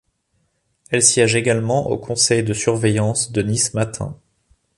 Elle siège également au Conseil de Surveillance de Nice Matin.